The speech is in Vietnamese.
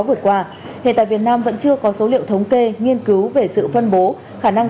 vượt qua hiện tại việt nam vẫn chưa có số liệu thống kê nghiên cứu về sự phân bố khả năng